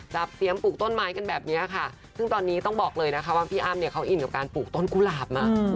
เสียมปลูกต้นไม้กันแบบนี้ค่ะซึ่งตอนนี้ต้องบอกเลยนะคะว่าพี่อ้ำเนี่ยเขาอินกับการปลูกต้นกุหลาบมา